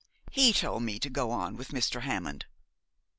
He told me to go on with Mr. Hammond.'